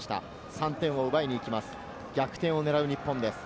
３点を奪いに行きます、逆転を狙う日本です。